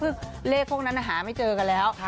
คือเลขพวกนั้นหาไม่เจอกันแล้ว